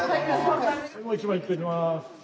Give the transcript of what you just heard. もう一枚いっときます。